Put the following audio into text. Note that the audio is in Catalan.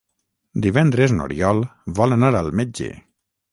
Divendres n'Oriol vol anar al metge.